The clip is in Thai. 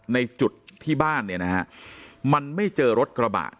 ในจุดที่บ้านเนี่ยนะฮะมันไม่เจอรถกระบะ